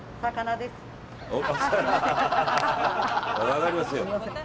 分かりますよ。